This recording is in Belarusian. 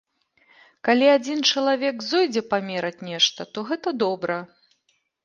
Калі адзін чалавек зойдзе памераць нешта, то гэта добра.